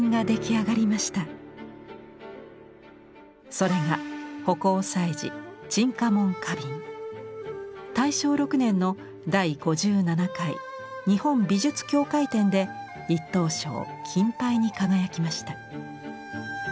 それが大正６年の第５７回日本美術協会展で１等賞金牌に輝きました。